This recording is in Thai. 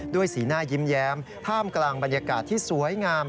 สีหน้ายิ้มแย้มท่ามกลางบรรยากาศที่สวยงาม